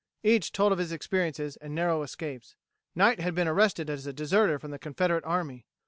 Each told of his experiences and narrow escapes. Knight had been arrested as a deserter from the Confederate army.